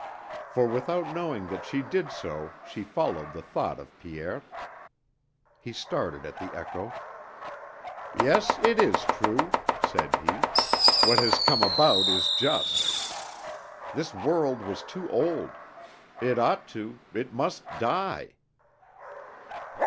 For without knowing that she did so she followed the thought of Pierre. He started at the echo: "Yes, it is true," said he, "what has come about is just. This world was too old; it ought to, it must die."